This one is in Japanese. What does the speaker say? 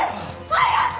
早く！